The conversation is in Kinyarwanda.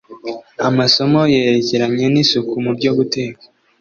amasomo yerekeranye nisuku mu byo guteka